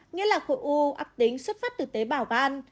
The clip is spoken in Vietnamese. nghĩa là khối u ác tính xuất phát từ tế bảo gan